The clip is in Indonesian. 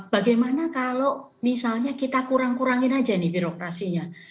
bagaimana kalau misalnya kita kurang kurangin aja nih birokrasinya